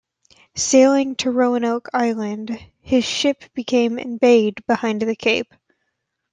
Sailing to Roanoke Island, his ship became embayed behind the cape.